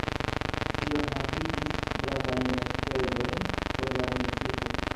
Tio havigis gravajn enspezojn por la municipo.